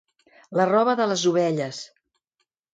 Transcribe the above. La roba de les ovelles.